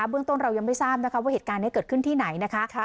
เรื่องต้นเรายังไม่ทราบนะคะว่าเหตุการณ์นี้เกิดขึ้นที่ไหนนะคะ